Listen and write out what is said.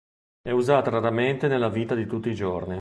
È usata raramente nella vita di tutti i giorni.